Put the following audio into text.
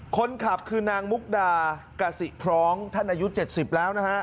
คนขับคือนางมุกดากสิพร้อมท่านอายุ๗๐แล้วนะฮะ